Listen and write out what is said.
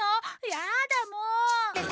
やだあもう！